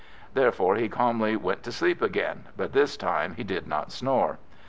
Therefore he calmly went to sleep again, but this time he did not snore.